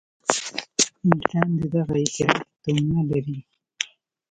انسان د دغه اعتراف تومنه نه لري.